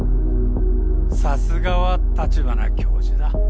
さすがは立花教授だ。